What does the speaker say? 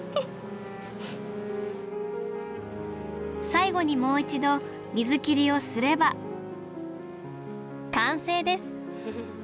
最後にもう一度水切りをすれば完成です！